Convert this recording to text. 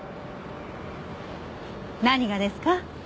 何がですか？